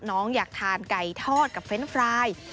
น้องอยากทานไก่ทอดกับเฟรนด์ฟราย